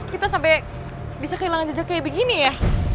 kita sampai bisa kehilangan jejak kayak begini ya